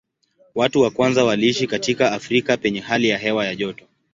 Watu wa kwanza waliishi katika Afrika penye hali ya hewa ya joto.